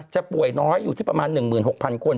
ป่วยน้อยอยู่ที่ประมาณ๑๖๐๐คน